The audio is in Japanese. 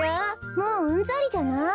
もううんざりじゃない？